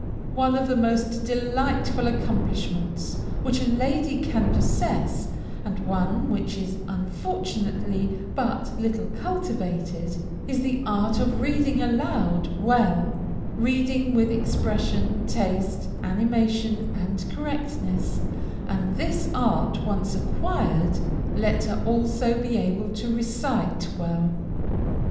One of the most delightful accomplishments which a lady can possess, and one which is unfortunately but little cultivated, is the art of reading aloud well; reading with expression, taste, animation, and correctness; and this art once acquired, let her also be able to recite well.